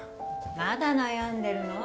まだ悩んでるの？